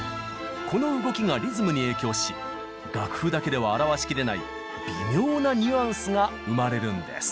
この動きがリズムに影響し楽譜だけでは表しきれない微妙なニュアンスが生まれるんです。